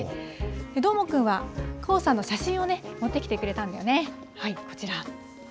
どーもくんは、黄砂の写真をね、持ってきてくれたんだよね、こちら。